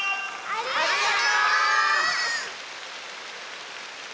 ありがとう！